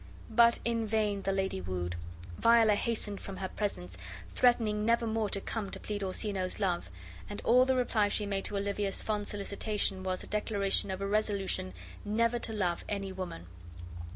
But in vain the lady wooed. Viola hastened from her presence, threatening never more to come to plead Orsino's love; and all the reply she made to Olivia's fond solicitation was, a declaration of a resolution NEVER TO LOVE ANY WOMAN.